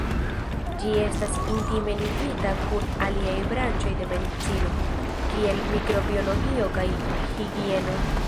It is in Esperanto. Ĝi estas intime ligita kun aliaj branĉoj de medicino, kiel mikrobiologio kaj higieno.